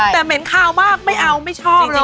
แต่เหม็นคาวมากไม่เอาไม่ชอบเลย